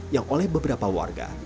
yang oleh beberapa warga